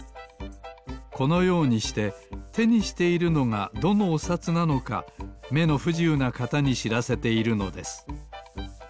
このようにしててにしているのがどのおさつなのかめのふじゆうなかたにしらせているのです。